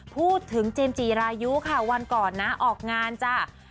พูดถึงเจมส์จีรายุค่ะวันก่อนนะออกงานจ้า